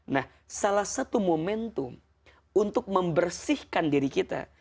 nah salah satu momentum untuk membersihkan diri kita